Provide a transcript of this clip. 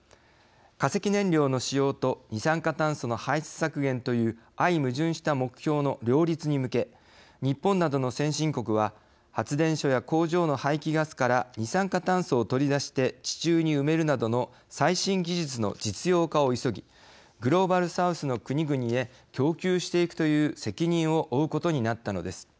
化石燃料の使用と二酸化炭素の排出削減という相矛盾した目標の両立に向け日本などの先進国は発電所や工場の排気ガスから二酸化炭素を取り出して地中に埋めるなどの最新技術の実用化を急ぎグローバル・サウスの国々へ供給していくという責任を負うことになったのです。